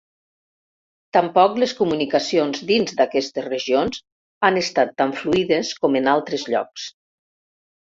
Tampoc les comunicacions dins d'aquestes regions han estat tan fluides com en altres llocs.